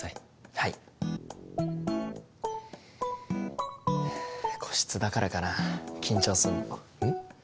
はい個室だからかな緊張するのうん？